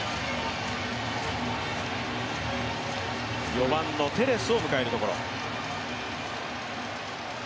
４番のテレスを迎えるところ。